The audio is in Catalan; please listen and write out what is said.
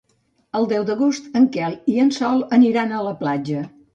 El deu d'agost en Quel i en Sol aniran a la platja.